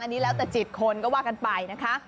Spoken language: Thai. อันนี้แล้วแต่จิตคนก็ว่ากันไปนะคะ